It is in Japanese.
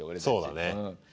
そうだね。